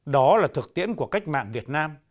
đó là thực tiễn của cách mạng việt nam